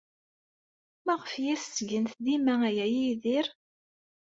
Maɣef ay as-ttgent dima aya i Yidir?